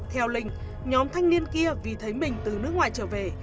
theo linh nhóm thanh niên kia vì thấy mình từ nước ngoài trở về